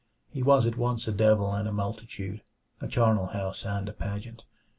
He was at once a devil and a multitude, a charnel house and a pageant.